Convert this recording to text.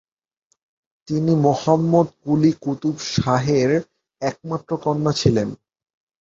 তিনি মুহাম্মদ কুলি কুতুব শাহের একমাত্র কন্যা ছিলেন।